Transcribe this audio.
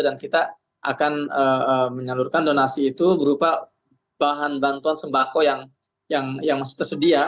dan kita akan menyalurkan donasi itu berupa bahan bantuan sembako yang tersedia